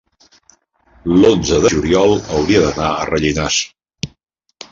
l'onze de juliol hauria d'anar a Rellinars.